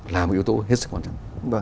là một yếu tố hết sức quan trọng